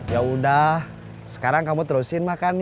yaudah sekarang kamu terusin makan ya